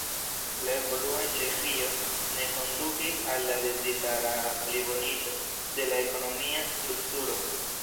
La evoluo en Ĉeĥio ne kondukis al la dezirata pliboniĝo de la ekonomia strukturo.